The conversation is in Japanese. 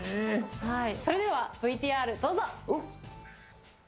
それではＶＴＲ、どうぞ！